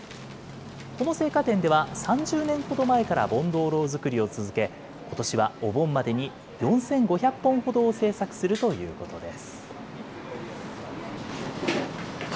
この生花店では、３０年ほど前から盆灯ろう作りを進め、ことしはお盆までに４５００本ほどを制作するということです。